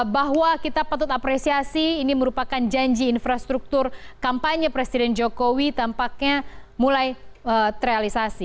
bahwa kita patut apresiasi ini merupakan janji infrastruktur kampanye presiden jokowi tampaknya mulai terrealisasi